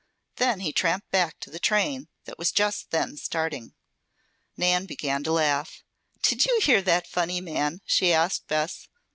Then he tramped back to the train that was just then starting. Nan began to laugh. "Did you hear that funny man?" she asked Bess.